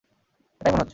এটাই মনে হচ্ছে।